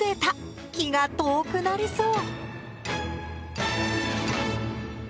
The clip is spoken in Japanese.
気が遠くなりそう。